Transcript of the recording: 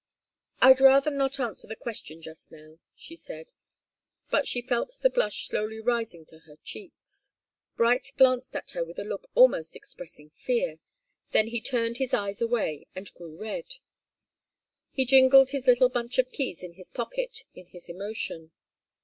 "I'd rather not answer the question just now," she said, but she felt the blush slowly rising to her cheeks. Bright glanced at her with a look almost expressing fear. Then he turned his eyes away, and grew red. He jingled his little bunch of keys in his pocket, in his emotion.